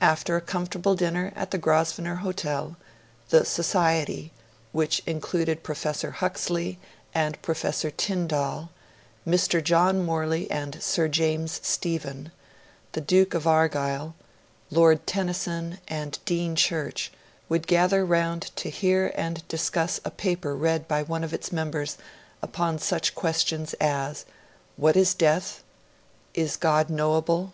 After a comfortable dinner at the Grosvenor Hotel, the Society, which included Professor Huxley and Professor Tyndall, Mr. John Morley and Sir James Stephen, the Duke of Argyll, Lord Tennyson, and Dean Church, would gather around to hear and discuss a paper read by one of the members upon such questions as: 'What is death?' 'Is God unknowable?'